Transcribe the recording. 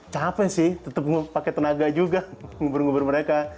capek sih tetap pakai tenaga juga ngubur ngubur mereka